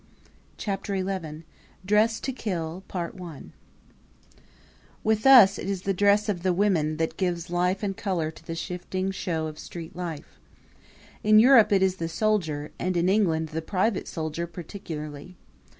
Chapter XI Dressed to Kill With us it is the dress of the women that gives life and color to the shifting show of street life. In Europe it is the soldier, and in England the private soldier particularly.